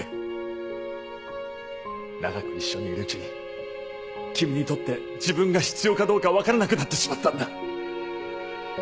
長く一緒にいるうちに君にとって自分が必要かどうかわからなくなってしまったんだ。